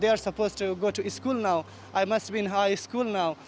saya harus berada di sekolah tinggi sekarang